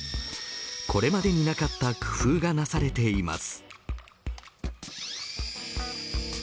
これまでになかった工夫がなされています。